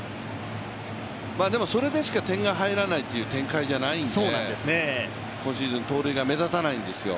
でも、それでしか点が入らないという展開じゃないんで、今シーズン盗塁が目立たないんですよ。